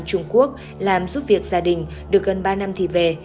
trung quốc làm giúp việc gia đình được gần ba năm thì về